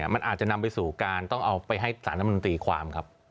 มันอาจจะนำไปสู่การต้องเอาไปให้สารรัฐมนตรีความครับ